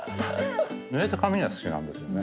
ぬれた髪が好きなんですよね。